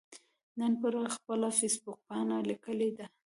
نن پر خپله فیسبوکپاڼه لیکلي دي